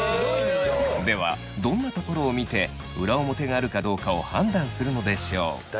ではどんなところを見て裏表があるかどうかを判断するのでしょう。